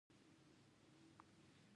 د میلوما د پلازما حجرو سرطان دی.